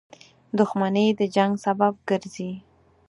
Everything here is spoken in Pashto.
• دښمني د جنګ سبب ګرځي.